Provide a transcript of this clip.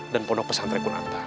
dan pondok pesantren qur'anta